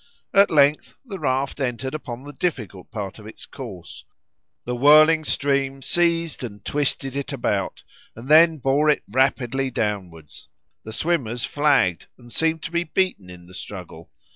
At length the raft entered upon the difficult part of its course; the whirling stream seized and twisted it about, and then bore it rapidly downwards; the swimmers, flagged and seemed to be beaten in the struggle.